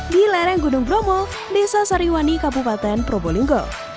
di lereng gunung bromo desa sariwani kabupaten probolinggo